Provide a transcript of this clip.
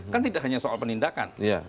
kan tidak hanya soal penindakan